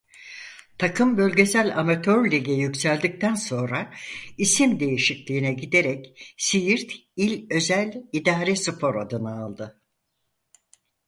Takım Bölgesel Amatör Lige yükseldikten sonra isim değişikliğine giderek Siirt İl Özel İdarespor adını aldı.